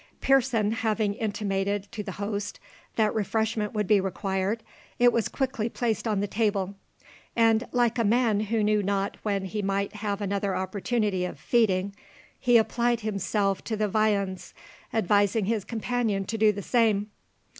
Pearson having intimated to the host that refreshment would be required, it was quickly placed on the table; and, like a man who knew not when he might have another opportunity of feeding, he applied himself to the viands, advising his companion to do the same.